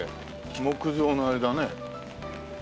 木造のあれだね。